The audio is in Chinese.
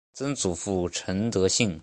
曾祖父陈德兴。